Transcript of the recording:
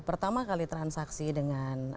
pertama kali transaksi dengan